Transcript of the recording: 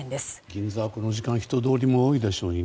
銀座はこの時間人通りも多いでしょうに。